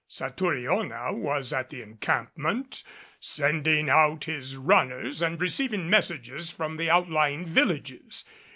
Satouriona was at the encampment, sending out his runners and receiving messages from the outlying villages.